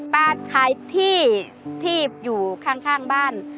ขายที่ที่อยู่ข้างบ้าน